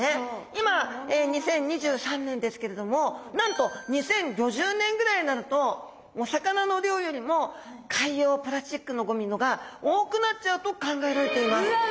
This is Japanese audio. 今２０２３年ですけれどもなんと２０５０年ぐらいになるとお魚の量よりも海洋プラスチックのゴミのが多くなっちゃうと考えられています。